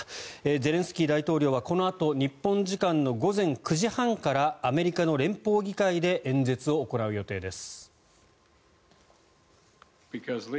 ゼレンスキー大統領はこのあと日本時間の午前９時半からアメリカの連邦議会で演説を行う予定です。